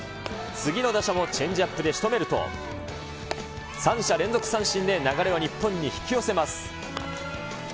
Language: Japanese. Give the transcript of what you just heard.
次の打者もチェンジアップでしとめると、３者連続三振で、流れを日本に引き寄せます。